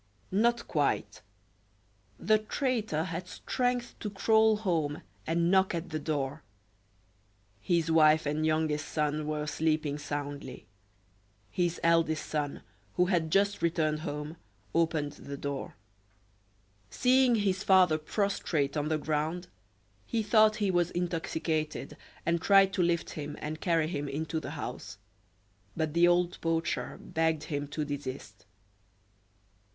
Not quite. The traitor had strength to crawl home and knock at the door. His wife and youngest son were sleeping soundly. His eldest son, who had just returned home, opened the door. Seeing his father prostrate on the ground, he thought he was intoxicated, and tried to lift him and carry him into the house, but the old poacher begged him to desist.